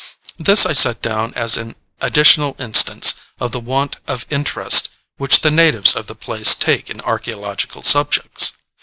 This I set down as an additional instance of the want of interest which the natives of the place take in archæological subjects.